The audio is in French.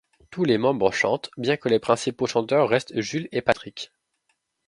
Tous les membres chantent, bien que les principaux chanteurs restent Jules et Patrick.